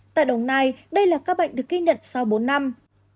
tại đồng nai đây là các bệnh được ghi nhận sau bốn năm